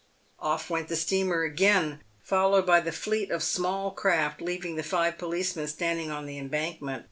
Off went the steamer again, followed by the fleet of small craft, leaving the five policemen standing on the embankment.